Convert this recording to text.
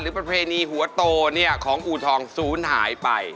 หรือประเพณีหัวโตนี่ของอู่ทองศูนย์หายไป